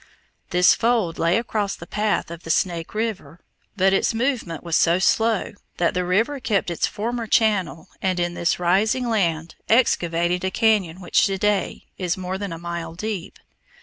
This fold lay across the path of the Snake River, but its movement was so slow that the river kept its former channel and in this rising land excavated a cañon which to day is more than a mile deep.